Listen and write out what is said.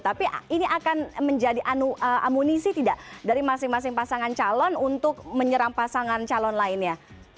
tapi ini akan menjadi amunisi tidak dari masing masing pasangan calon untuk menyerang pasangan calon lainnya